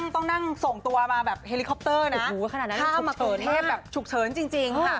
ต้องนั่งส่งตัวมาแบบเฮลิคอปเตอร์ข้ามเผลอแบบฉุกเฉินจริง